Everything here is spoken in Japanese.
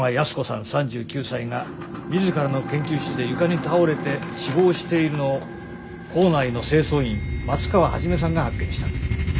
３９歳が自らの研究室で床に倒れて死亡しているのを構内の清掃員松川一さんが発見した。